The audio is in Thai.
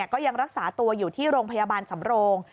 ก็ยังรักษาตัวอยู่ที่โรงพยาบาลสำโรง